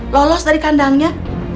lolos dari kandangnya